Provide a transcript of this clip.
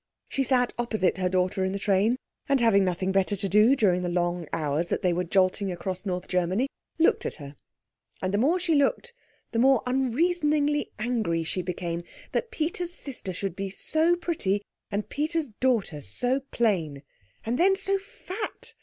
She sat opposite her daughter in the train, and having nothing better to do during the long hours that they were jolting across North Germany, looked at her; and the more she looked the more unreasoningly angry she became that Peter's sister should be so pretty and Peter's daughter so plain. And then so fat!